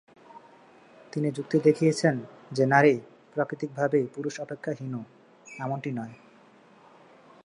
তিনি যুক্তি দেখিয়েছেন যে নারী প্রাকৃতিকভাবেই পুরুষ অপেক্ষা হীন, এমনটি নয়।